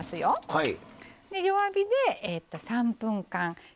はい。